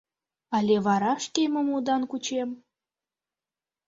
— Але вара шкемым удан кучем?